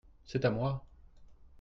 C'est à moi.